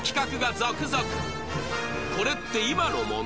これって今のもの？